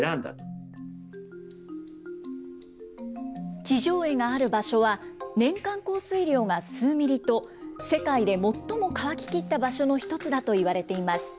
地上絵がある場所は、年間降水量が数ミリと、世界で最も乾ききった場所の一つだといわれています。